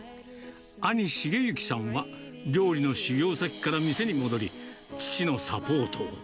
兄、茂幸さんは料理の修業先から店に戻り、父のサポート。